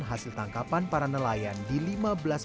hasil tangkapan para nelayan di lima belas petak keramba miliknya